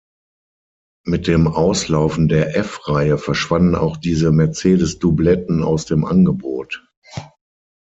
Mit dem Auslaufen der F-Reihe verschwanden auch diese Mercedes-Doubletten aus dem Angebot.